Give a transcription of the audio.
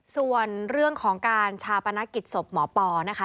ส่วนเรื่องของการชาปนกิจศพหมอปอนะคะ